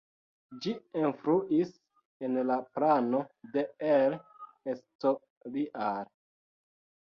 Ĝi influis en la plano de El Escorial.